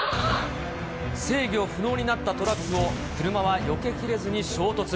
制御不能になったトラックを、車はよけきれずに衝突。